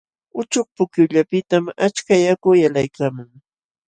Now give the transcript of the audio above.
Uchuk pukyullapiqtam achka yaku yalqaykaamun.